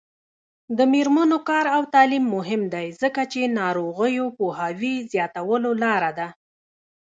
د میرمنو کار او تعلیم مهم دی ځکه چې ناروغیو پوهاوي زیاتولو لاره ده.